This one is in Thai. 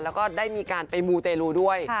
แล้วก็ได้มีการไปมูเตรลูด้วย